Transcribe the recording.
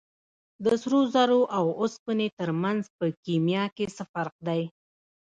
د سرو زرو او اوسپنې ترمنځ په کیمیا کې څه فرق دی